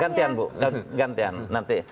gantian bu gantian nanti